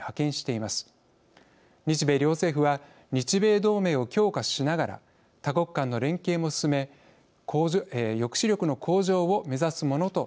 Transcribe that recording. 日米両政府は日米同盟を強化しながら多国間の連携も進め抑止力の向上を目指すものとみられます。